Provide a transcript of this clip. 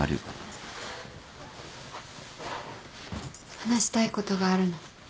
話したいことがあるの。